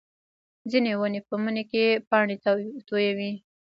ځینې ونې په مني کې پاڼې تویوي